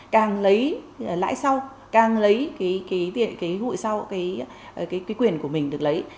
càng lấy lãi sau càng lấy cái hụi sau cái quy quyền của mình được lấy